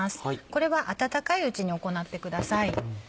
これは温かいうちに行ってください。